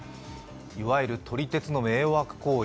いわゆる撮り鉄の迷惑行為。